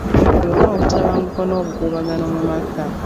Tuwone obutabanguko n'obukuubagano mu maka.